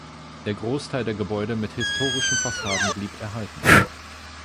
Der Großteil der Gebäude mit historischen Fassaden blieb erhalten.